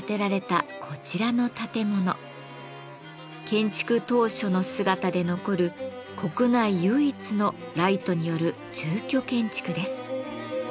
建築当初の姿で残る国内唯一のライトによる住居建築です。